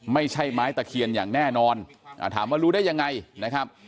ไม่ใช่ไม้ตะเคียนอย่างแน่นอนถามว่ารู้ได้ยังไงนะครับ